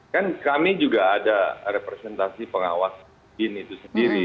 kan kami juga ada representasi pengawas bin itu sendiri